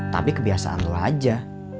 tapi kebiasaan lo aja